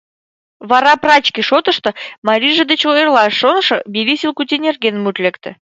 Вара прачке шотышто, марийже деч ойырлаш шонышо Бири Силкути нерген мут лекте.